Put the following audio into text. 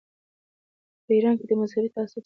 په ایران کې د مذهبي تعصب سره سره فحاشي عامه وه.